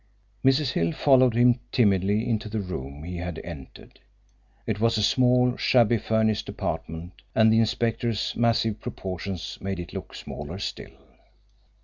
Mrs. Hill followed him timidly into the room he had entered. It was a small, shabbily furnished apartment, and the inspector's massive proportions made it look smaller still.